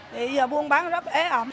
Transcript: thì giờ buôn bán rất ế ẩm